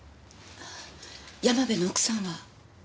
山辺の奥さんは？